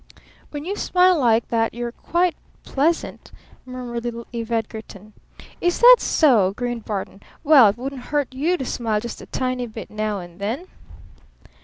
"When you smile like that you're quite pleasant," murmured little Eve Edgarton. "Is that so?" grinned Barton. "Well, it wouldn't hurt you to smile just a tiny bit now and then!"